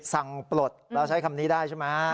สั่งปลดเราใช้คำนี้ได้ใช่มั้ย